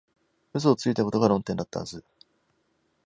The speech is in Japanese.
嘘をついたことが論点だったはず